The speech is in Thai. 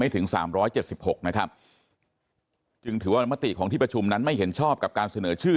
ถึง๓๗๖นะครับจึงถือว่ามติของที่ประชุมนั้นไม่เห็นชอบกับการเสนอชื่อ